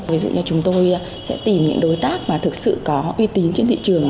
ví dụ như chúng tôi sẽ tìm những đối tác mà thực sự có uy tín trên thị trường